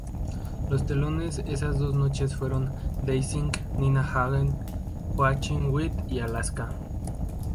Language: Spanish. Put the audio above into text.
Los teloneros esas dos noches fueron Danzig, Nina Hagen, Joachim Witt y Alaska.